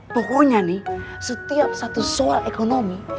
pokoknya nih setiap satu soal ekonomi